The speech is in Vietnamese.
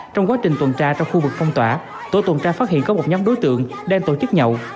trong quá trình tuần tra trong khu vực phong tỏa tổ tuần tra phát hiện có một nhóm đối tượng đang tổ chức nhậu